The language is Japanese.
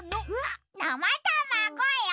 なまたまごよ。